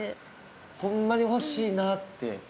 ホンマに欲しいなって。